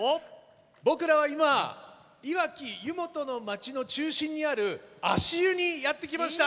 僕らは、今いわき湯本の町の中心にある足湯にやって来ました。